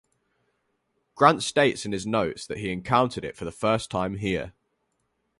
Grant states in his notes that he encountered it for the first time here.